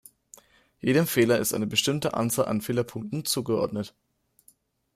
Jedem Fehler ist eine bestimmte Anzahl an Fehlerpunkten zugeordnet.